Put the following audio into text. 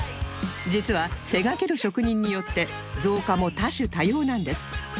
実は手掛ける職人によって造花も多種多様なんです